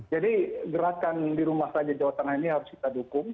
jadi gerakan di rumah saja jawa tengah ini harus kita dukung